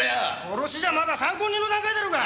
殺しじゃまだ参考人の段階だろうが！